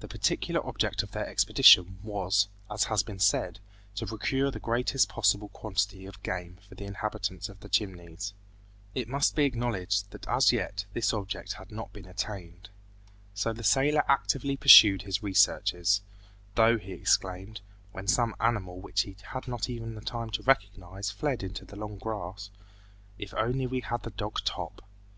The particular object of their expedition was, as has been said, to procure the greatest possible quantity of game for the inhabitants of the Chimneys. It must be acknowledged that as yet this object had not been attained. So the sailor actively pursued his researches, though he exclaimed, when some animal which he had not even time to recognize fled into the long grass, "If only we had had the dog Top!"